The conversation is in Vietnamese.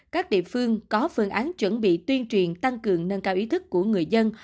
các địa phương có phương án chuẩn bị tuyên truyền tăng cường nâng cao ý thức của người dân